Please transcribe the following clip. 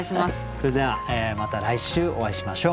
それではまた来週お会いしましょう。